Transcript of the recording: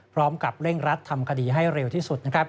พร้อมกับเร่งรัดทำคดีให้เร็วที่สุด